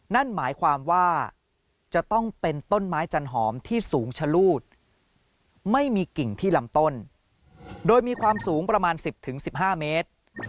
นั่นหมายความว่าจะต้องเป็นต้นไม้จันหอมที่สูงชะลูดไม่มีกิ่งที่ลำต้นโดยมีความสูงประมาณ๑๐๑๕เมตร